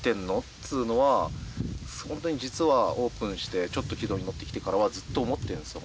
っつうのは本当に実はオープンしてちょっと軌道に乗ってきてからはずっと思ってるんですよ